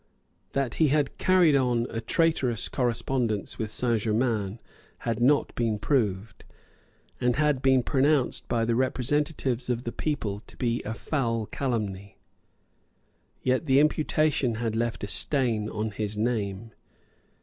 That he had carried on a traitorous correspondence with Saint Germains had not been proved, and had been pronounced by the representatives of the people to be a foul calumny. Yet the imputation had left a stain on his name.